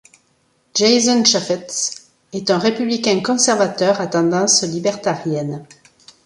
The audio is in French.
Jason Chaffetz est un républicain conservateur à tendance libertarienne.